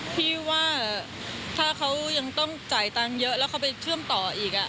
พี่ว่าถ้าเขายังต้องจ่ายตังค์เยอะแล้วเขาไปเชื่อมต่ออีก